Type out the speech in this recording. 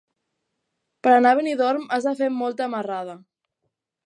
Per anar a Benidorm has de fer molta marrada.